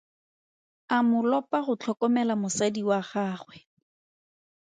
A mo lopa go tlhokomela mosadi wa gagwe.